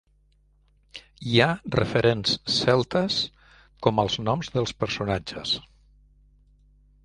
Hi ha referents celtes, com els noms dels personatges.